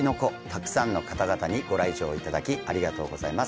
たくさんの方々にご来場いただきありがとうございます